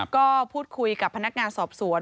ก็พูดคุยกับพนักงานสอบสวน